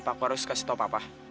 apa aku harus kasih tau papa